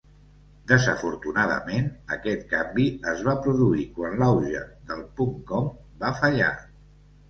Desafortunadament, aquest canvi es va produir quan l'auge del .com va fallar.